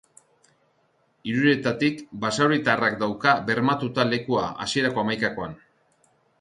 Hiruretatik basauritarrak dauka bermatuta lekua hasierako hamaikakoan.